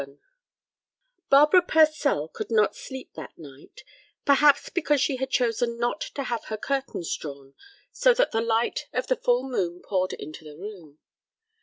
VII Barbara Purcell could not sleep that night, perhaps because she had chosen not to have her curtains drawn, so that the light of the full moon poured into the room.